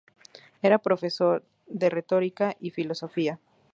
Era profesor de retórica y filosofía.